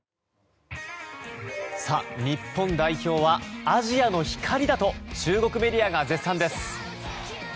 日本代表はアジアの光だと中国メディアが絶賛です。